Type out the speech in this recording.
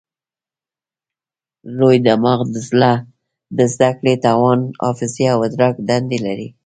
لوی دماغ د زده کړې، توان، حافظې او ادراک دندې لري.